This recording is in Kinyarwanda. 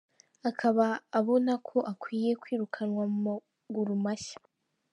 Akaba abonako akwiye kwirukanwa mu maguru mashya.